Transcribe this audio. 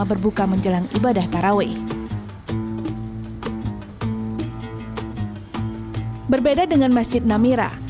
berbeda dengan masjid namira